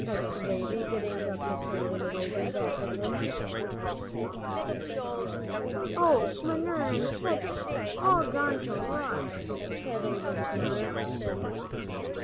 asked Davie, getting up to stand in the wagon back of them. "Oh, manure an' sich, all gone to rot," said Abram's mother.